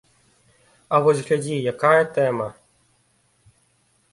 А вось глядзі, якая тэма!